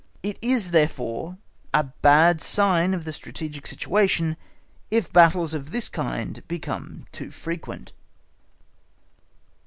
_It is, therefore, a bad sign of the strategic situation if battles of this kind become too frequent.